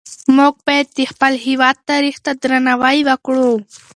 موږ باید د خپل هېواد تاریخ ته درناوی وکړو.